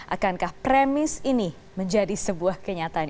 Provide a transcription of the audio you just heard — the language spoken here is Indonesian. akankah premis ini menjadi sebuah kenyataan